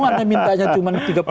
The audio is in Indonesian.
karena mintanya cuma tiga puluh lima